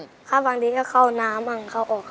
ก็ครอบบางที่นะบ้าง